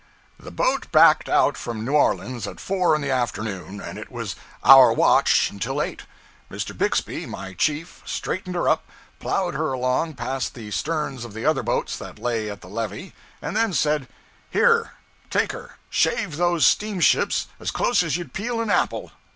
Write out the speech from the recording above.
The boat backed out from New Orleans at four in the afternoon, and it was 'our watch' until eight. Mr. Bixby, my chief, 'straightened her up,' plowed her along past the sterns of the other boats that lay at the Levee, and then said, 'Here, take her; shave those steamships as close as you'd peel an apple.'